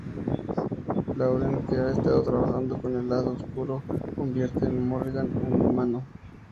Lauren, que ha estado trabajando con el lado Oscuro, convierte a Morrigan en humano.